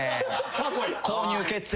購入決定。